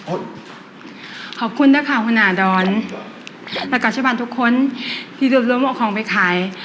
โอ๊ยขอบคุณนะคะหุนาดรแล้วกับชาวบ้านทุกคนที่รวมรวมออกของไปขาย